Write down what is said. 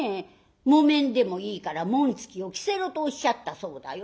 木綿でもいいから紋付きを着せろとおっしゃったそうだよ」。